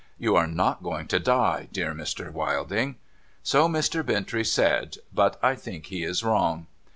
' You are not going to die, dear Mr, Wilding.' ' So Mr, Bintrey said, but I think he was wrong.